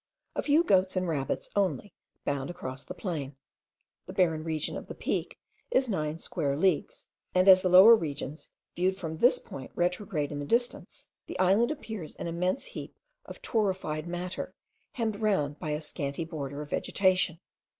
A few goats and rabbits only bound across the plain. The barren region of the peak is nine square leagues; and as the lower regions viewed from this point retrograde in the distance, the island appears an immense heap of torrefied matter, hemmed round by a scanty border of vegetation.